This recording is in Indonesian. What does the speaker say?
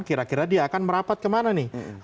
kira kira dia akan merapat ke mana nih